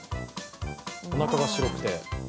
おなかが白くて。